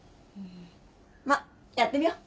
まっやってみよう。